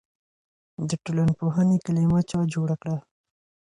د ټولنپوهنې کلمه چا جوړه کړه؟